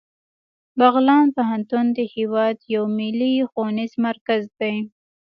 بغلان پوهنتون د هیواد یو ملي ښوونیز مرکز دی